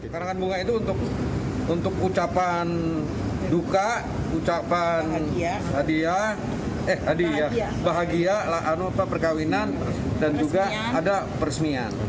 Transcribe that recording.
karangan bunga itu untuk ucapan duka ucapan hadiah eh hadiah bahagia perkawinan dan juga ada peresmian